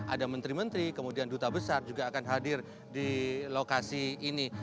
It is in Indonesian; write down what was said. ada menteri menteri kemudian duta besar juga akan hadir di lokasi ini